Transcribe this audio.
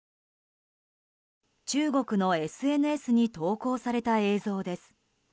中国のＳＮＳに投稿された映像です。